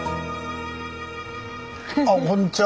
あっこんにちは。